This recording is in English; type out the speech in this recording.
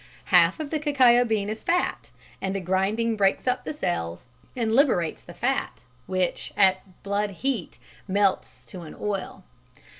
Half of the cacao bean is fat, and the grinding breaks up the cells and liberates the fat, which at blood heat melts to an oil.